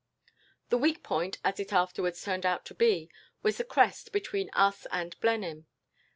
"The weak point, as it afterwards turned out to be, was the crest between us and Blenheim.